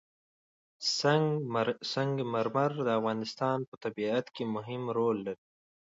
سنگ مرمر د افغانستان په طبیعت کې مهم رول لري.